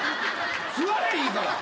座れいいから。